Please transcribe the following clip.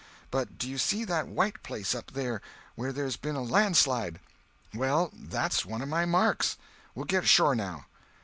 But do you see that white place up yonder where there's been a landslide? Well, that's one of my marks. We'll get ashore, now."